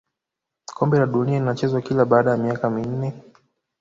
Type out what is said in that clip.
kombe la dunia linachezwa kila baada ya miaka minne